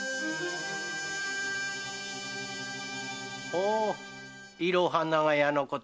ほういろは長屋のことで何か？